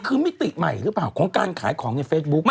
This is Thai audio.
คือเคียดรับเนี่ยทาได้ทั้งตัวนะ